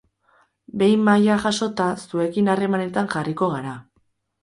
Behin maila jasota, zuekin harremanetan jarriko gara.